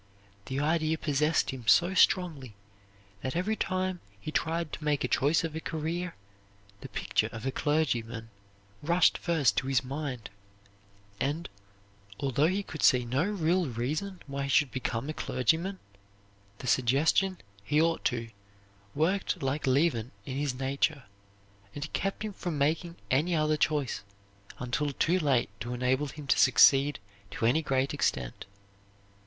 The idea possessed him so strongly that every time he tried to make a choice of a career the picture of a clergyman rushed first to his mind, and, although he could see no real reason why he should become a clergyman, the suggestion that he ought to worked like leaven in his nature and kept him from making any other choice until too late to enable him to succeed to any great extent.